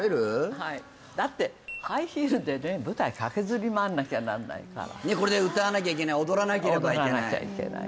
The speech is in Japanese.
はいだってハイヒールでね舞台駆けずり回んなきゃなんないからこれで歌わなきゃいけない踊らなければいけない